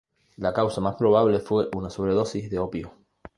La causa más probable fue una sobredosis de opio.